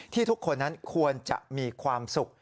ทุกคนนั้นควรจะมีความสุข